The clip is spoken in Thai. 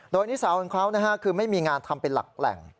โดยนิสาวของเขาคือไม่มีงานทำเป็นหลักแหล่ง